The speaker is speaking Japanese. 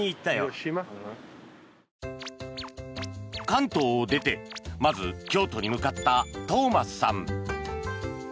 関東を出てまず京都に向かったトーマスさん。